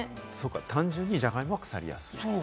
単純にジャガイモは腐りやすい。